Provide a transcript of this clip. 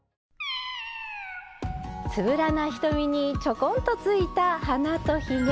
つぶらな瞳にちょこんとついた鼻とひげ。